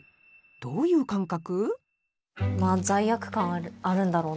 どういう感覚？